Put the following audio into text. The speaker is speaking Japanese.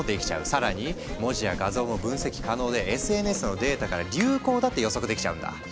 更に文字や画像も分析可能でＳＮＳのデータから流行だって予測できちゃうんだ。